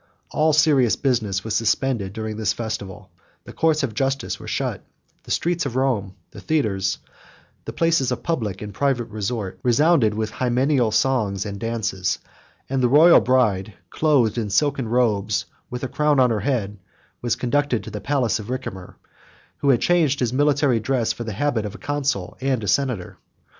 All serious business was suspended during this festival; the courts of justice were shut; the streets of Rome, the theatres, the places of public and private resort, resounded with hymeneal songs and dances: and the royal bride, clothed in silken robes, with a crown on her head, was conducted to the palace of Ricimer, who had changed his military dress for the habit of a consul and a senator.